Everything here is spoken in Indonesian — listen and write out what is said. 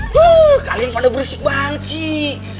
wuh kalian pada bersih banget sih